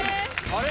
あれ？